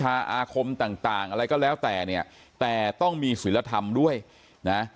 อาคมต่างต่างอะไรก็แล้วแต่เนี่ยแต่ต้องมีศิลธรรมด้วยนะ